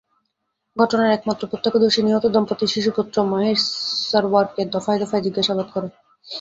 ঘটনার একমাত্র প্রত্যক্ষদর্শী নিহত দম্পতির শিশুপুত্র মাহীর সরওয়ারকে দফায় দফায় জিজ্ঞাসাবাদ করে।